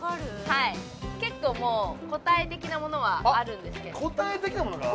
はい結構もう答え的なものはあるんですけど答え的なものがある？